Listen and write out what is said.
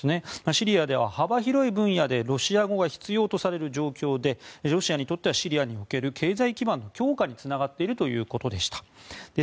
シリアでは幅広い分野でロシア語が必要とされる状況でロシアにとってはシリアにおける経済基盤の強化につながっているということでした。